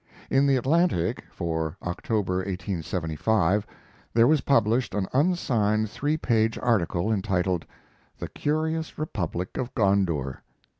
In the Atlantic for October, 1875, there was published an unsigned three page article entitled, "The Curious Republic of Gondour."